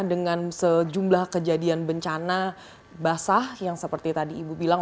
yang bencana basah yang seperti tadi ibu bilang